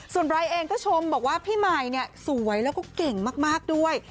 ส่วนไรเองก็ชมบอกว่าพี่ใหม่เนี่ยสวยแล้วก็เก่งมากด้วย